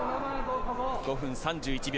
５分３１秒。